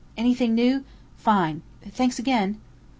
Anything new?... Fine! Thanks again!"